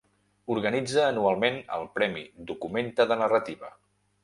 Organitza anualment el Premi Documenta de Narrativa.